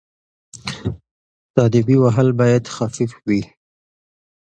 تاديبي وهل باید خفيف وي.